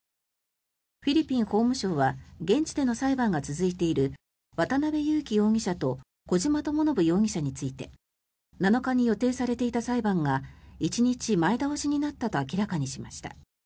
フィリピン法務省は現地での裁判が続いている渡邉優樹容疑者と小島智信容疑者について７日に予定されていた裁判が１日前倒しになったと明らかにしました。